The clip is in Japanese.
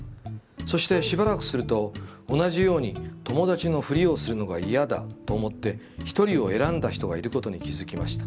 そして、しばらくすると、同じように『友達のふりをするのがイヤだ』と思って『一人』を選んだ人がいることに気付きました。